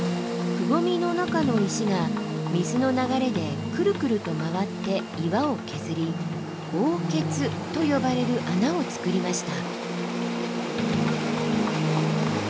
くぼみの中の石が水の流れでくるくると回って岩を削り甌穴と呼ばれる穴をつくりました。